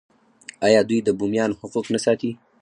آیا دوی د بومیانو حقوق نه ساتي؟